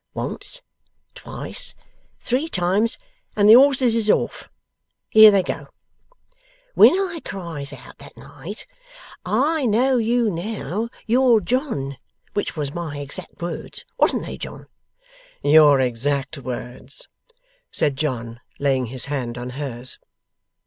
Once, twice, three times, and the horses is off. Here they go! When I cries out that night, "I know you now, you're John!" which was my exact words; wasn't they, John?' 'Your exact words,' said John, laying his hand on hers.